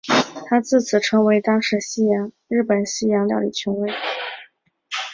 他自此成为当时日本的西洋料理权威。